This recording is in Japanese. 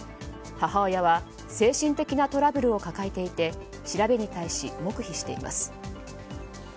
母親は精神的なトラブルを抱えていて調べに対し黙秘しています。